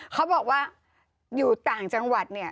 เขาบอกว่าอยู่ต่างจังหวัดเนี่ย